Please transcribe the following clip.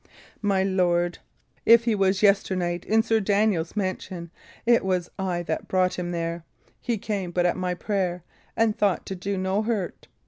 My lord, if he was yesternight in Sir Daniel's mansion, it was I that brought him there; he came but at my prayer, and thought to do no hurt.